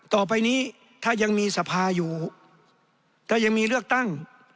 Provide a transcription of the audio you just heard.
ต่อไปนี้ถ้ายังมีสภาอยู่ถ้ายังมีเลือกตั้ง